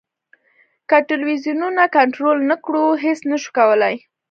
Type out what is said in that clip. که ټلویزیونونه کنټرول نه کړو هېڅ نه شو کولای.